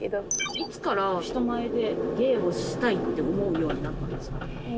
いつから人前で芸をしたいって思うようになったんですか？